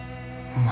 お前